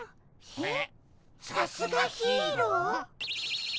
えさすがヒーロー？